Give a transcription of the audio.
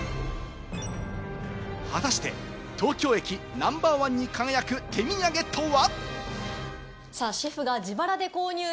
果たして東京駅ナンバーワンに輝く手土産とは？